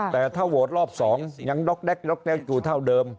แต่ถ้าโหวตรอบ๒ยังด๊อกแก๊กอยู่เท่าเดิม